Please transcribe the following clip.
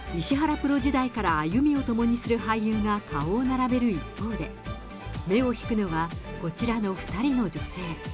プロ時代から歩みを共にする俳優が顔を並べる一方で、目を引くのは、こちらの２人の女性。